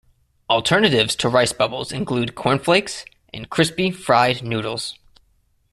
Alternatives to Rice Bubbles include Corn Flakes and crispy fried noodles.